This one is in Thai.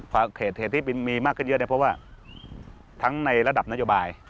เหตุที่มีมากขึ้นเยอะเนี่ยเพราะว่าทั้งในระดับนโยบาย